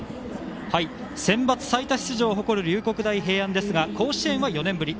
センバツ最多出場を誇る龍谷大平安ですが甲子園は４年ぶり。